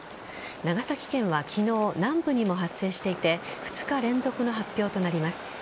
長崎県は昨日南部にも発生していて２日連続の発表となります。